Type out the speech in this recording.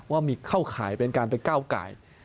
ว่ามีเข้าข่ายเป็นการไปก้าวไก่